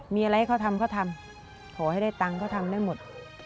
มีอะไรให้เขาทำเขาทำขอให้ได้ตังค์เขาทำได้หมด